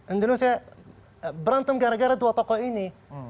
indonesia berantem gara gara dua tokoh ini